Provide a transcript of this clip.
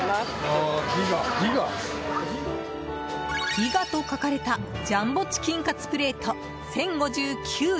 ギガと書かれたジャンボチキンカツプレート１０５９円。